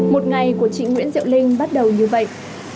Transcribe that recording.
một ngày của chị nguyễn diệu linh bắt đầu như vậy